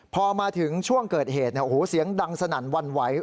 พอมาถึงช่วงเกิดเหตุเนี่ยโอ้โหเสียงดังสนั่นวันไหว